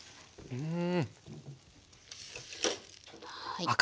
うん。